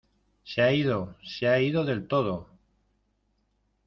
¡ Se ha ido! Se ha ido del todo.